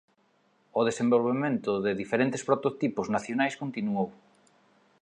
O desenvolvemento de diferentes prototipos nacionais continuou.